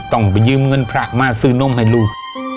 ต้องไปยืมเงินพระมาซื้อนมให้ลูก